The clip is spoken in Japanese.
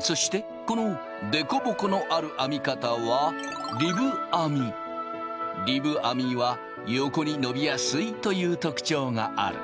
そしてこの凸凹のある編み方は横に伸びやすいという特徴がある。